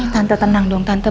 tante tenang dong tante